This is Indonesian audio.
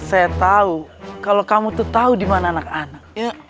saya tahu kalau kamu tuh tahu di mana anak anak